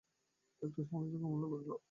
একটু সমালোচনাও অমূল্য করিল।